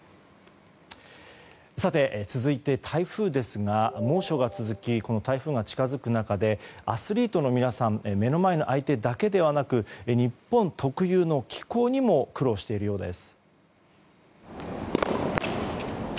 続いて台風ですが、猛暑が続き台風が近づく中でアスリートの皆さん目の前の相手だけではなく日本特有の気候にも苦労しているようです。